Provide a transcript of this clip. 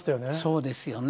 そうですよね。